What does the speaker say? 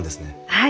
はい。